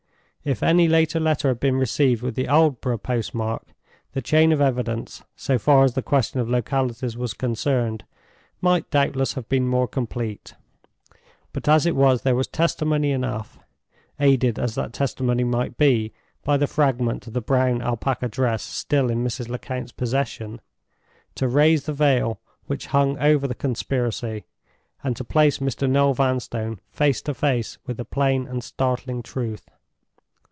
If any later letter had been received with the Aldborough postmark, the chain of evidence, so far as the question of localities was concerned, might doubtless have been more complete. But as it was, there was testimony enough (aided as that testimony might be by the fragment of the brown alpaca dress still in Mrs. Lecount's possession) to raise the veil which hung over the conspiracy, and to place Mr. Noel Vanstone face to face with the plain and startling truth.